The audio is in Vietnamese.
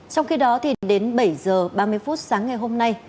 trong khi đó đến bảy h ba mươi phút sáng ngày hôm nay